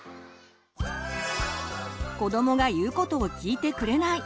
子どもが言うことを聞いてくれない！